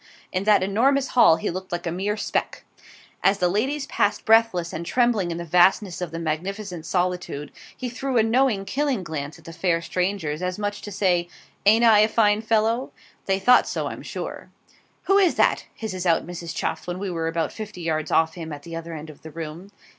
In that enormous hall he looked like a mere speck. As the ladies passed breathless and trembling in the vastness of the magnificent solitude, he threw a knowing, killing glance at the fair strangers, as much as to say, 'Ain't I a fine fellow?' They thought so, I am sure. 'WHO IS THAT?' hisses out Mrs. Chuff, when we were about fifty yards off him at the other end of the room.